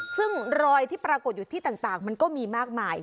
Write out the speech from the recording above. ซึ่งรอยที่ปรากฏอยู่ที่ต่างมันก็มีมากมาย